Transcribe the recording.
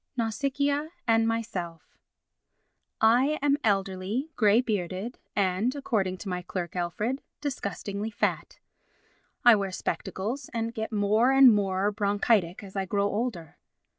Nausicaa and Myself I am elderly, grey bearded and, according to my clerk, Alfred, disgustingly fat; I wear spectacles and get more and more bronchitic as I grow older.